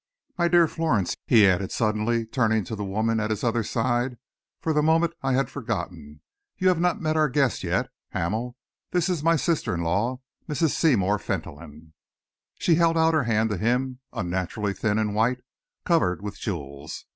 My dear Florence," he added, suddenly turning to the woman at his other side, "for the moment I had forgotten. You have not met our guest yet. Hamel, this is my sister in law, Mrs. Seymour Fentolin." She held out her hand to him, unnaturally thin and white, covered with jewels.